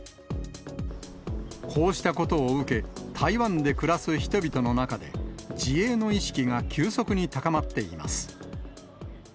こうしたことを受け、台湾で暮らす人々の中で、自衛の意識が急速に高まっています。